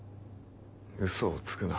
ウソをつくな。